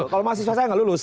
kalau masih selesai gak lulus